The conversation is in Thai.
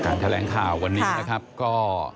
แถลงข่าววันนี้นะครับก็